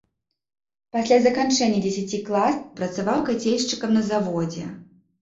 Пасля заканчэння дзесяці класаў працаваў кацельшчыкам на заводзе.